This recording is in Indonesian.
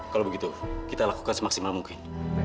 kalau begitu kita lakukan semaksimal mungkin